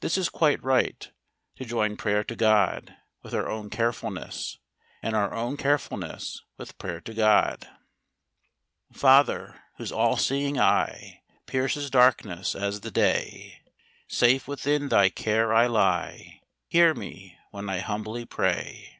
This is quite right, to join prayer to God, with our own carefulness; and our own careful¬ ness with prayer to God. Father, whose all seeing eye Pierces darkness as the day; ■Safe within thy care I lie, Hear me, when I humbly pray.